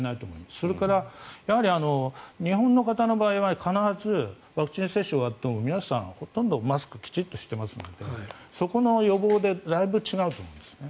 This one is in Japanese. それから日本の方の場合必ずワクチン接種が終わっても皆さんほとんどマスクをきちんとしてますのでそこの予防でだいぶ違うと思いますね。